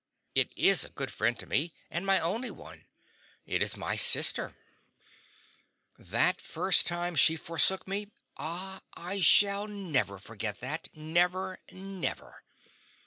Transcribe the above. It IS a good friend to me, and my only one; it is my sister. That first time that she forsook me! ah, I shall never forget that never, never.